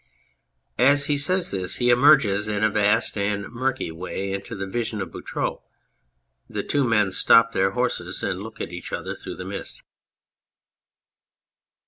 (As he says this he emerges in a vast and murky way into the vision of Boutroux. The two men stop their horses and look at each other through the mist.)